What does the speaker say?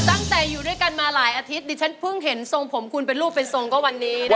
ตั้งแต่อยู่ด้วยกันมาหลายอาทิตย์ดิฉันเพิ่งเห็นทรงผมคุณเป็นรูปเป็นทรงก็วันนี้นะคะ